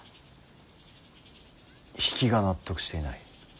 比企が納得していない。